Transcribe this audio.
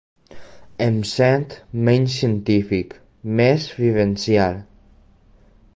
Em sento menys científic, més vivencial.